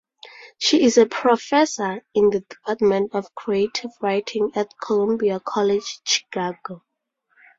She is a professor in the Department of Creative Writing at Columbia College Chicago.